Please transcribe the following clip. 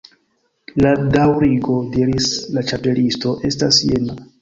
"La daŭrigo," diris la Ĉapelisto, "estas jena.